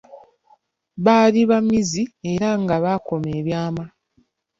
Baali ba mmizi era nga bakuuma ebyama.